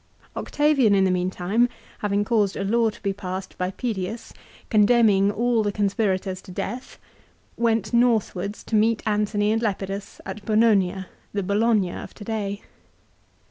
Octavian in the meantime, having caused a law to be passed by Pedius condemning all the conspirators to death, went northwards to meet Antony and Lepidus at Bononia, the Bologna of to day.